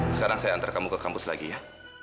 sekarang saya antar kamu ke kampus lagi ya